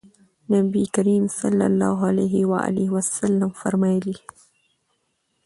نبي کريم صلی الله عليه وسلم فرمايلي: